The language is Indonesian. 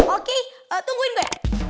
oke tungguin gue